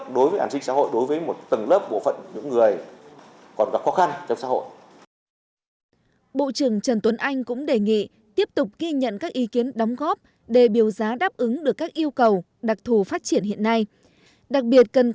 đối với an sinh xã hội đối với một tầng lớp bộ phận những người còn gặp khó khăn trong xã hội